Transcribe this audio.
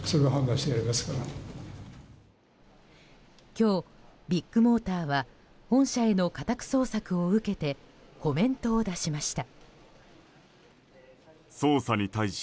今日、ビッグモーターは本社への家宅捜索を受けてコメントを出しました。